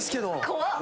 怖っ！